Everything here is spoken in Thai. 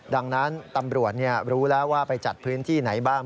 ดังนั้นตำรวจรู้แล้วว่าไปจัดพื้นที่ไหนบ้าง